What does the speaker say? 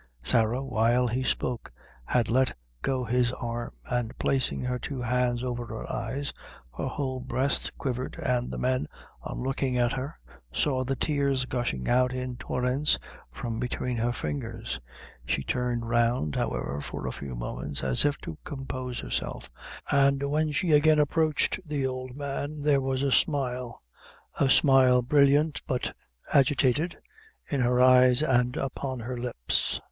Sarah, while he spoke, had let go his arm, and placing her two hands over her eyes, her whole breast quivered; and the men, on looking at her, saw the tears gushing out in torrents from between her finger. She turned round, however, for a few moments, as if to compose herself; and, when she again approached the old man, there was a smile a smile, brilliant, but agitated, in her eyes and upon her lips.